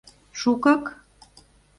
Шукак?